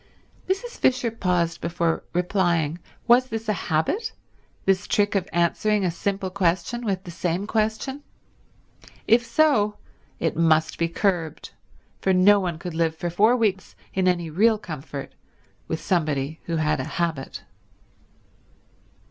Mrs. Fisher paused before replying. Was this a habit, this trick of answering a simple question with the same question? If so it must be curbed, for no one could live for four weeks in any real comfort with somebody who had a habit.